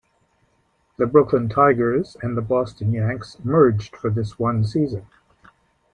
The Brooklyn Tigers and the Boston Yanks merged for this one season.